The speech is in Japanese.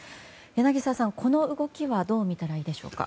柳澤さん、この動きはどう見たらいいでしょうか。